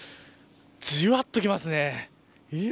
じわっときますね。